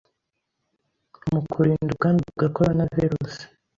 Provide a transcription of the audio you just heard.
mu kurinda ubwandu bwa Coronavirus